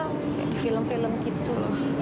kayak di film film gitu loh